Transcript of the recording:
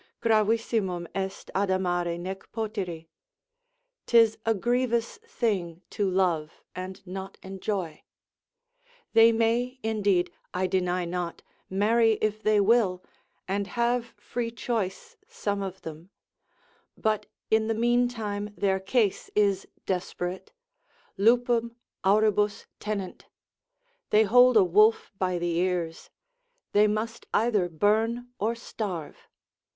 Gravissimum est adamare nec potiri, 'tis a grievous thing to love and not enjoy. They may, indeed, I deny not, marry if they will, and have free choice, some of them; but in the meantime their case is desperate, Lupum auribus tenent, they hold a wolf by the ears, they must either burn or starve.